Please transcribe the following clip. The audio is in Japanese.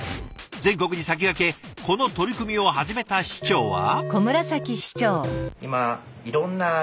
全国に先駆けこの取り組みを始めた市長は。